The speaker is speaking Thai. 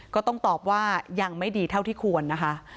ก็ต้องตอบว่ายังไม่ดีเท่าที่ควรนะคะ